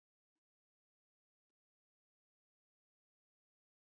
იგი მოედინება პატარა ტბიდან, რომელიც მდებარეობს ვიძემეს მაღლობზე.